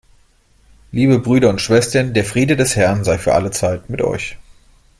Liebe Brüder und Schwestern, der Friede des Herrn sei für alle Zeit mit euch.